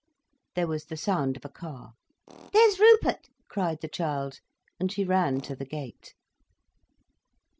_" There was the sound of a car. "There's Rupert!" cried the child, and she ran to the gate.